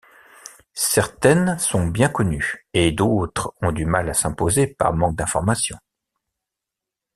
Certaines sont bien connues et d'autres ont du mal à s'imposer par manque d'information.